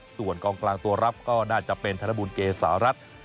ส่วนกองกลางตัวรับก็น่าจะเป็นธนบุญเกษารัฐ